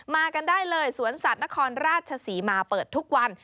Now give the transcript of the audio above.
กันได้เลยสวนสัตว์นครราชศรีมาเปิดทุกวัน